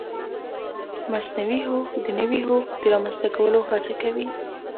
مصنوعي هوښ د نوي هوښ د رامنځته کولو هڅه کوي.